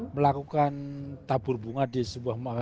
melakukan tabur bunga di sebuah mal